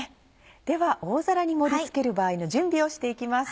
では大皿に盛りつける場合の準備をして行きます。